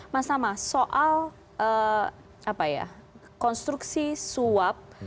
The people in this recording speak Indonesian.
mas tama soal konstruksi suap